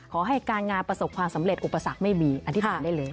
ขอให้การงานประสบความสำเร็จอุปสรรคไม่มีอธิษฐานได้เลย